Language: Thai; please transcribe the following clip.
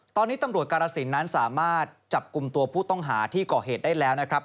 ตอนนี้ตำรวจกาลสินนั้นสามารถจับกลุ่มตัวผู้ต้องหาที่ก่อเหตุได้แล้วนะครับ